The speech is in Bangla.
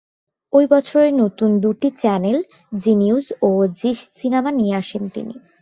ওই বছরই নতুন দুটি চ্যানেল, জি নিউজ ও জি সিনেমা নিয়ে আসেন তিনি।